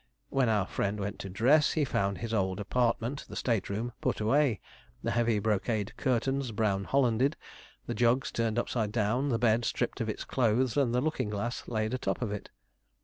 When our friend went to dress, he found his old apartment, the state room, put away, the heavy brocade curtains brown hollanded, the jugs turned upside down, the bed stripped of its clothes and the looking glass laid a top of it.